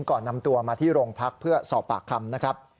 ก่อนนำตัวมาที่โรงพักเพื่อสอบปากคำนะครับ